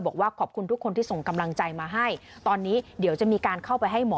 บอกว่าขอบคุณทุกคนที่ส่งกำลังใจมาให้ตอนนี้เดี๋ยวจะมีการเข้าไปให้หมอ